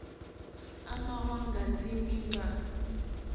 À mà wá ŋɡá ndí nǐmbà.